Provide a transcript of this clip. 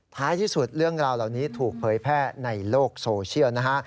ท้ายที่สุดเรื่องราวเหล่านี้ถูกเผยแพร่ในโลกโซเชียลนะฮะ